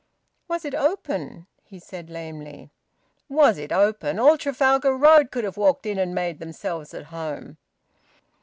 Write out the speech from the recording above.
"Was it open?" he said lamely. "Was it open! All Trafalgar Road could have walked in and made themselves at home."